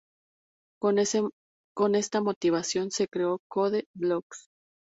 Con esta motivación se creó Code::Blocks.